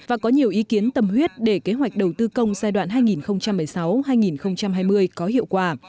và có nhiều ý kiến tâm huyết để kế hoạch đầu tư công giai đoạn hai nghìn một mươi sáu hai nghìn hai mươi có hiệu quả